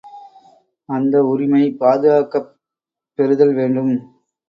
அந்த உரிமை பாதுகாக்கப் பெறுதல் வேண்டும்.